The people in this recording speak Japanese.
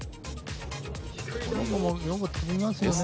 この子もよく飛びますよね。